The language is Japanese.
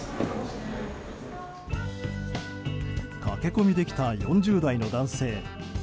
駆け込みで来た４０代の男性。